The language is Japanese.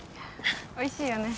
おいしいよね